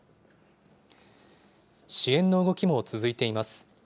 支援の動きも続いています。